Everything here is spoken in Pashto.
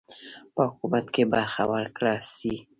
په حکومت کې برخه ورکړه سي.